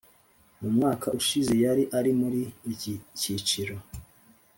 Mu mwaka ushize yari ari muri iki cyiciro